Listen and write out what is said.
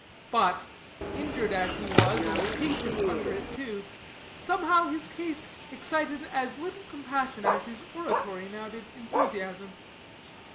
But, injured as he was, and patient under it, too, somehow his case excited as little compassion as his oratory now did enthusiasm.